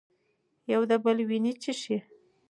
یو د بل وینې څښي.